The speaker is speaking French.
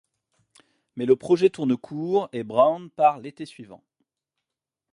Mais le projet tourne court et Brown part l'été suivant.